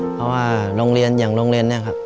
เพราะว่าโรงเรียนอย่างโรงเรียนเนี่ยครับ